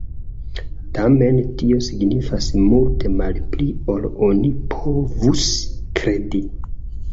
Tamen tio signifas multe malpli ol oni povus kredi.